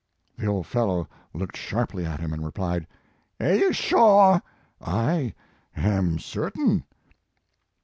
The old fellow looked sharply at him, and replied: "Air you shore?" "I am certain."